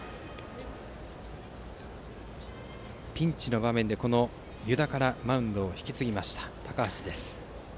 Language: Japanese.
ピンチの場面で湯田からマウンドを引き継ぎました、高橋。